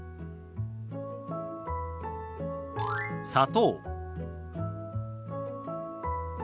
「砂糖」。